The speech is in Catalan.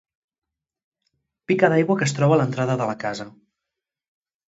Pica d'aigua que es troba a l'entrada de la casa.